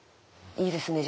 いいですね。